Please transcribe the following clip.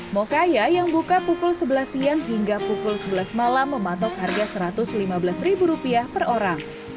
mokaya yang buka pukul sebelas siang hingga pukul sebelas malam mematok harga rp satu ratus lima belas rupiah per orang